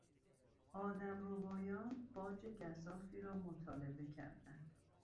آدمربایان باج گزافی را مطالبه کردند.